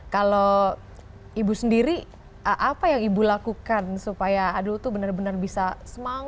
kalau ibu sendiri apa yang ibu lakukan supaya abdul tuh benar benar bisa berjalan